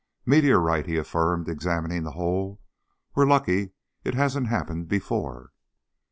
"Meteorite," he affirmed, examining the hole. "We're lucky it hasn't happened before."